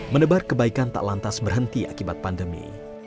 menebar kebaikan tak lantas berhenti akibat pandemi